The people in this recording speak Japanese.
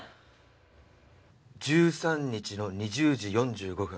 １３日の２０時４５分